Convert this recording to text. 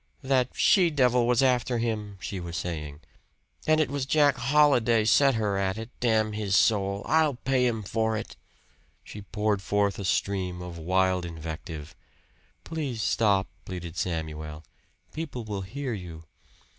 "That she devil was after him!" she was saying. "And it was Jack Holliday set her at it, damn his soul! I'll pay him for it!" She poured forth a stream of wild invective. "Please stop," pleaded Samuel. "People will hear you."